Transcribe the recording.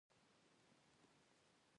تاسو د هغوی لباس یاست.